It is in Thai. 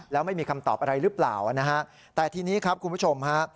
แล้วไม่มีคำตอบอะไรหรือเปล่านะฮะแต่ทีนี้ครับคุณผู้ชมฮะ